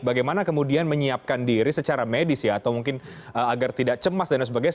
bagaimana kemudian menyiapkan diri secara medis ya atau mungkin agar tidak cemas dan sebagainya